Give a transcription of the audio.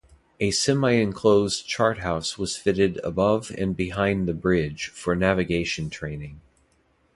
A semi-enclosed charthouse was fitted above and behind the bridge for navigation training.